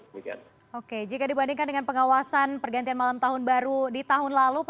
oke jika dibandingkan dengan pengawasan pergantian malam tahun baru di tahun lalu